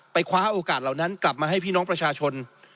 คว้าโอกาสเหล่านั้นกลับมาให้พี่น้องประชาชน